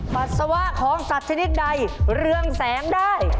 ปัสสาวะของสัตว์ชนิดใดเรืองแสงได้